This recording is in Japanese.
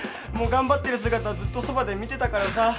もう頑張ってる姿ずっとそばで見てたからさ。